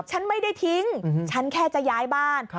ฉันไม่ได้ทิ้งฉันแค่จะย้ายบ้าน